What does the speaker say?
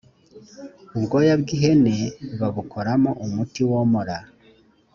ubwoya bw’ihene babukoramo umuti womora